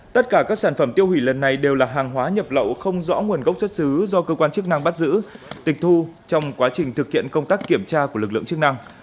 tất cả các sản phẩm tiêu hủy lần này đều là hàng hóa nhập lậu không rõ nguồn gốc xuất xứ do cơ quan chức năng bắt giữ tịch thu trong quá trình thực hiện công tác kiểm tra của lực lượng chức năng